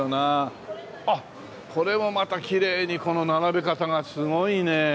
あっこれはまたきれいにこの並べ方がすごいねえ。